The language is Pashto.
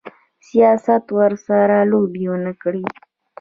سیاست ورسره لوبې ونه کړي.